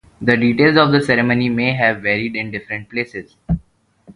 The details of the ceremony may have varied in different places.